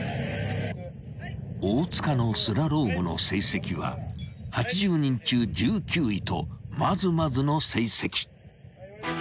［大塚のスラロームの成績は８０人中１９位とまずまずの成績］